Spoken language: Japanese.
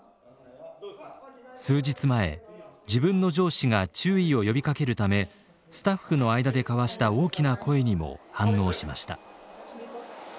数日前自分の上司が注意を呼びかけるためスタッフの間で交わした大きな声にも反応しました。